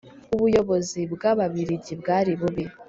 ubuyobozi bw Ababirigi bwari bubi